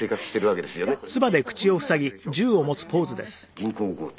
銀行強盗。